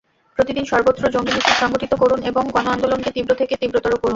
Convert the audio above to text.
প্রতিদিন সর্বত্র জঙ্গি মিছিল সংঘটিত করুন এবং গণ-আন্দোলনকে তীব্র থেকে তীব্রতর করুন।